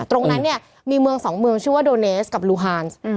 ตรงนั้นเนี่ยมีเมืองสองเมืองชื่อว่าโดเนสกับลูฮาน